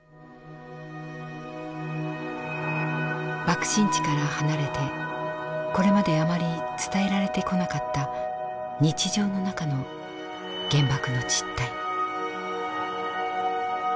爆心地から離れてこれまであまり伝えられてこなかった日常の中の原爆の実態。